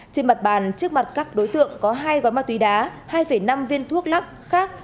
trên mặt bàn trước mặt các đối tượng có hai gói ma túy đá hai năm viên thuốc lắc khác